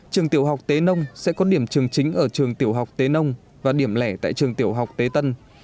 trường tiểu học tế nông sẽ có điểm trường chính ở trường tiểu học tế nông và điểm lẻ tại trường tiểu học tế tân